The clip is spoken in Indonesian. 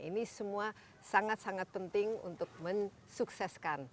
ini semua sangat sangat penting untuk mendukung sukses kan